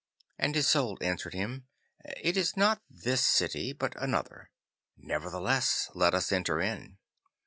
And his Soul answered him, 'It is not this city, but another. Nevertheless let us enter in.